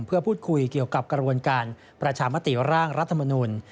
เพื่อพูดคุยเกี่ยวกับกระบวนการประชามติร่างรัฐมนุน